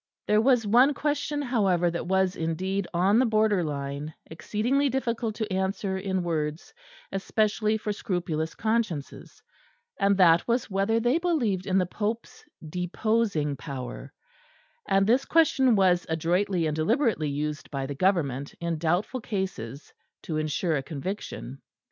There was one question, however, that was indeed on the borderline, exceedingly difficult to answer in words, especially for scrupulous consciences; and that was whether they believed in the Pope's deposing power; and this question was adroitly and deliberately used by the Government in doubtful cases to ensure a conviction.